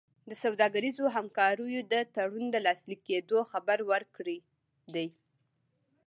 د سوداګریزو همکاریو د تړون د لاسلیک کېدو خبر ورکړی دی.